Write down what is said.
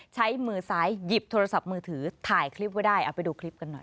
ใช้มือซ้ายหยิบโทรศัพท์มือถือถ่ายคลิปไว้ได้เอาไปดูคลิปกันหน่อย